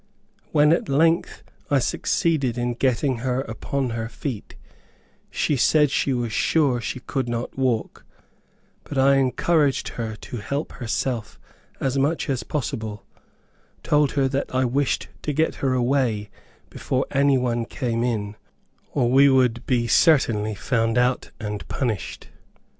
When at length I succeeded in getting her upon her feet, she said she was sure she could not walk; but I encouraged her to help herself as much as possible, told her that I wished to get her away before any one came in, or we would be certainly found out and punished.